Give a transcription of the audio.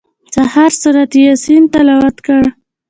سهار سورت یاسین تلاوت کړه.